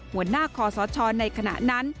หัวหน้าคอสชในขณะนั้น